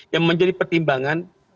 yang menjadi pertimbangan